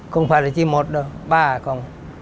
không phải là chỉ một đâu ba còn